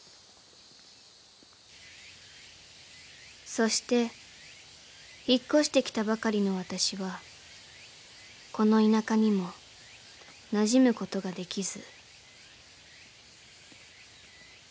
［そして引っ越してきたばかりの私はこの田舎にもなじむことができず］